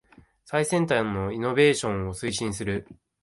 最先端のイノベーションを推進する